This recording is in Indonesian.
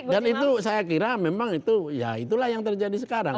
dan itu saya kira memang itulah yang terjadi sekarang